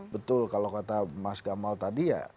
betul kalau kata mas gamal tadi ya